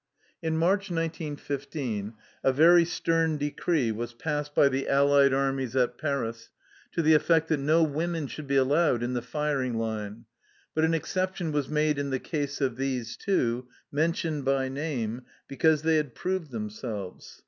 In March, 1915, a very stern decree was passed by the allied armies at Paris to the effect that no women should be allowed in the firing line, but an exception was made in the case of these two, mentioned by name, because they had proved themselves.